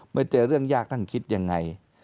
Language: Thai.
เมื่อเจอเรื่องยากท่านคิดยังไง